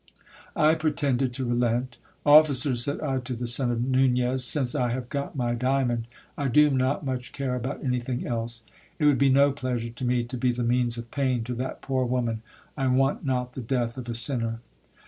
I pretended to relent Officer, said I to the son of Nunez, since I have got my diamond, I do not much care about anything else. It would be no pleasure to me to be the means of pain to that poor woman ; I want not the death of a sinner.